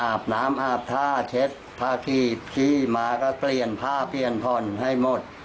อาบน้ำอาบท่าเช็ดผ้าที่พี่มาก็เปลี่ยนผ้าเปลี่ยนผ่อนให้หมด